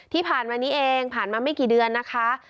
ที่ผ่านมานี้เองผ่านมาไม่กี่เดือนนะคะ